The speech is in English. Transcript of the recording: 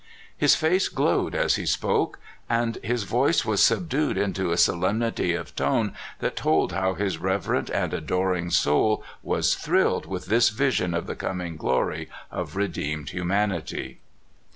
His face glowed as he spoke, and his voice wa subdued into a solemnity of tone that told how his reverent and adoring soul was thrilled with this vision of the coming glory of redeemed hu manity.